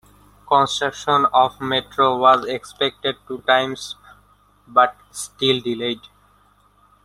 Construction of metro was expected two times but still delayed.